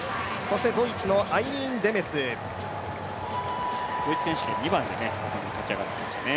ドイツのアイリーン・デメスドイツ選手権は２番で勝ち上がってきましたね。